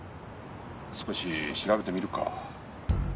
少し調べてみるか。